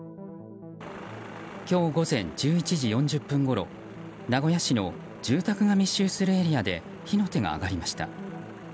今日午前１１時４０分ごろ名古屋市の住宅が密集するエリアで火の手が上がりました。